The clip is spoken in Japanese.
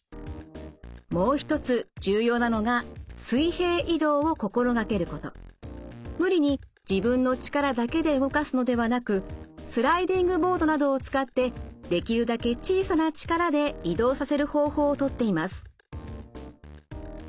もう一つ重要なのが無理に自分の力だけで動かすのではなくスライディングボードなどを使ってできるだけ小さな力で移動させる方法をとっています。